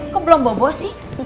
kok belum bobo sih